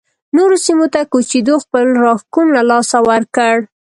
نورو سیمو ته کوچېدو خپل راښکون له لاسه ورکړ